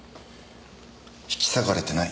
引き裂かれてない。